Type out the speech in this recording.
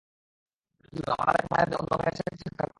লেডিসগণ, আমার আরেক মায়ের অন্য ভাইয়ের সাথে সাক্ষাত করো।